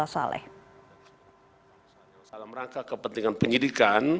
salam rangka kepentingan penyidikan